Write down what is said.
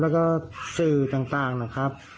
แล้วก็สื่อต่างนะครับ